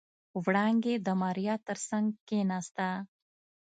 وړانګې د ماريا تر څنګ کېناسته.